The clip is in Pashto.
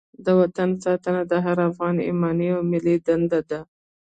د وطن ساتنه د هر افغان ایماني او ملي دنده ده.